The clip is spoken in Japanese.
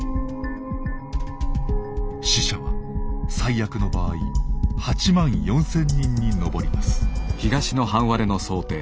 死者は最悪の場合８万４，０００人に上ります。